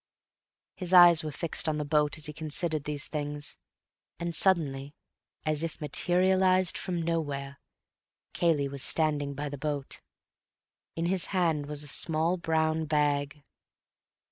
His eyes were fixed on the boat as he considered these things, and suddenly, as if materialized from nowhere, Cayley was standing by the boat. In his hand was a small brown bag.